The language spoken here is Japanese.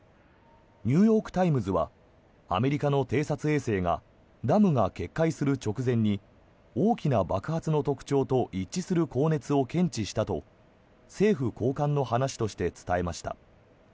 ニューヨーク・タイムズはアメリカの偵察衛星がダムが決壊する直前に大きな爆発の特徴と一致する高熱を検知したと政府高官の話として伝えました。